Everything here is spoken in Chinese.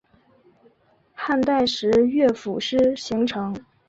汉代时乐府诗形成。